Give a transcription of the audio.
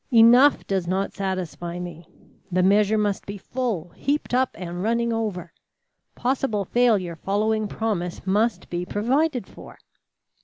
Enough does not satisfy me. The measure must be full, heaped up, and running over. Possible failure following promise must be provided for.